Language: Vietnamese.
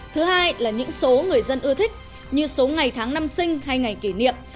thứ hai là những số người dân ưa thích như số ngày tháng năm sinh hay ngày kỷ niệm